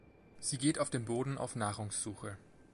Sie geht auf dem Boden auf Nahrungssuche.